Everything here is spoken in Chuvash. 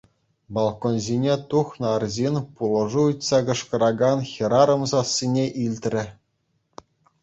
Балкон ҫине тухнӑ арҫын пулӑшу ыйтса кӑшкӑракан хӗрарӑм сассине илтрӗ.